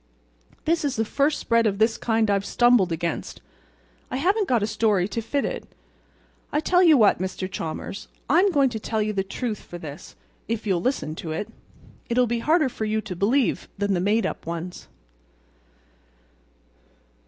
This is the first spread of this kind I've stumbled against. I haven't got a story to fit it. I'll tell you what, Mr. Chalmers, I'm going to tell you the truth for this, if you'll listen to it. It'll be harder for you to believe than the made up ones."